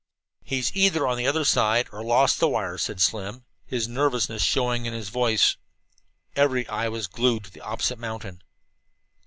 "He's either on the other side, or lost the wire," said Slim, his nervousness showing in his voice. Every eye was glued to the opposite mountain.